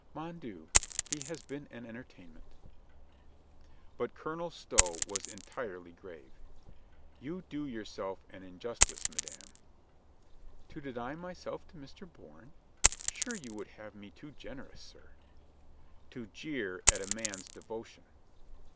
Mon Dieu, he has been an entertainment !" But Colonel Stow was entirely grave. "You do yourself an injustice, madame." "To deny myself to Mr. Bourne? Sure, you would have me too generous, sir." "To jeer at a man's devotion."